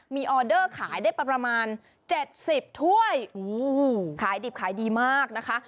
มีออเดอร์ขายได้ประมาณ๗๐ถ้วยขายดิบขายดีมากนะคะ